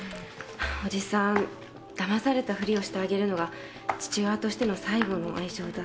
おじさんだまされた振りをしてあげるのが父親としての最後の愛情だって。